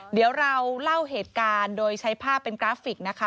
เดี๋ยวเราเล่าเหตุการณ์โดยใช้ภาพเป็นกราฟิกนะคะ